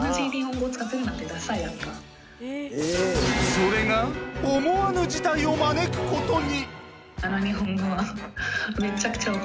それが思わぬ事態を招くことに。